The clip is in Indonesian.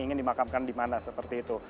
ingin dimakamkan di mana seperti itu